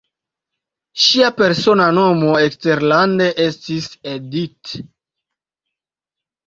Ŝia persona nomo eksterlande estis "Edith".